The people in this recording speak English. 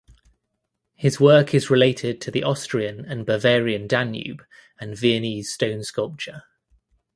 His work is related to the Austrian and Bavarian Danube and Viennese stone sculpture.